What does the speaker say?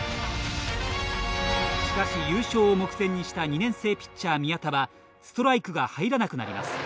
しかし優勝を目前にした２年生ピッチャー宮田はストライクが入らなくなります。